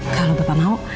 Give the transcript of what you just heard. kalau bapak mau